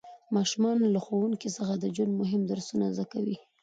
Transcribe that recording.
ماشومان له ښوونکي څخه د ژوند مهم درسونه زده کوي